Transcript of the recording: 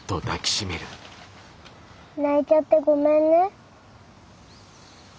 泣いちゃってごめんね。